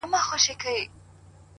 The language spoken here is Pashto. دوی به هم پر یوه بل سترګي را سرې کړي!!